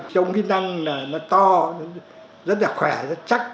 trống ghi năng là nó to rất là khỏe rất chắc